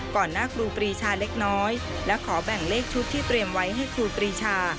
ก่อนหน้าครูปรีชาเล็กน้อยและขอแบ่งเลขชุดที่เตรียมไว้ให้ครูปรีชา